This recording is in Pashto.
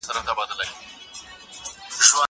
زه له سهاره د کتابتون لپاره کار کوم.